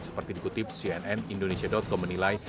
seperti dikutip cnn indonesia com menilai